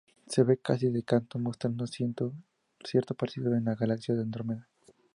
Se ve casi de canto, mostrando cierto parecido con la galaxia de Andrómeda.